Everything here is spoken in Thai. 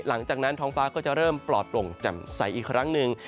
หลังจากนั้นท้องฟ้าก็จะเริ่มปลอดโปร่งแจ่มใสอีกครั้งหนึ่ง